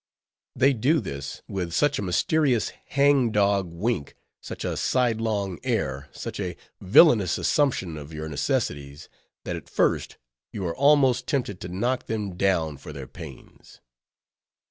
They do this, with such a mysterious hang dog wink; such a sidelong air; such a villainous assumption of your necessities; that, at first, you are almost tempted to knock them down for their pains.